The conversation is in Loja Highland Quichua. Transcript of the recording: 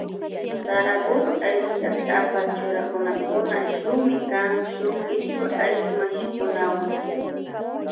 Saraguro ayllu llaktakapa churanakuna shukmi kan shuk kichwa ayllu mashikunawan.